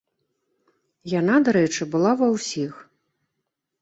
Яна, дарэчы, была ва ўсіх.